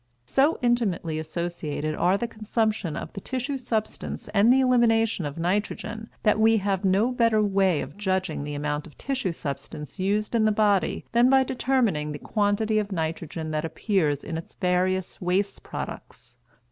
So intimately associated are the consumption of the tissue substance and the elimination of nitrogen that we have no better way of judging the amount of tissue substance used in the body than by determining the quantity of nitrogen that appears in its various waste products.